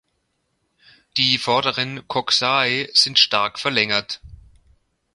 Die vorderen Coxae sind stark verlängert.